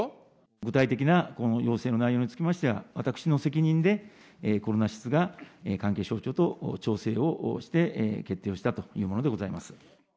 具体的なこの要請の内容につきましては、私の責任で、コロナ室が、関係省庁と調整をして、決定をしたというものでございます。